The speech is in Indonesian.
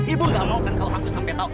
ibu gak mau kan kalau aku sampai tahu